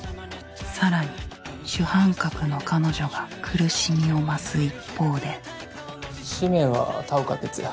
さらに主犯格の彼女が苦しみを増す一方で氏名は田岡徹也。